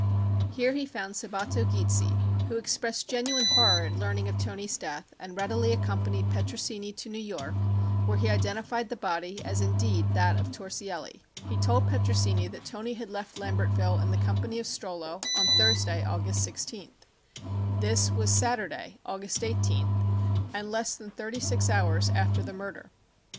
Here he found Sabbatto Gizzi, who expressed genuine horror at learning of Toni's death and readily accompanied Petrosini to New York, where he identified the body as indeed that of Torsielli. He told Petrosini that Toni had left Lambertville in the company of Strollo on Thursday, August 16th. This was Saturday, August 18th, and less than thirty six hours after the murder.